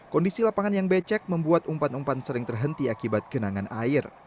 kondisi lapangan yang becek membuat umpan umpan sering terhenti akibat kenangan air